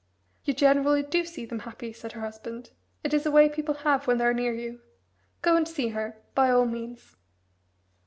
"You generally do see them happy," said her husband; "it's a way people have when they're near you. Go and see her, by all means."